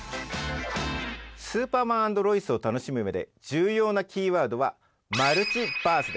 「スーパーマン＆ロイス」を楽しむ上で重要なキーワードはマルチバースです。